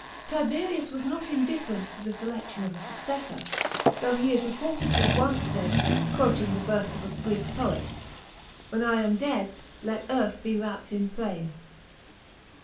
§ 24. Tiberius was not indifferent to the selection of a successor, though he is reported to have once said, quoting the verse of a Greek poet, " When I am dead, let earth be wrapt in flame."